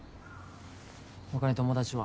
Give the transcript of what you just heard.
他に友達は？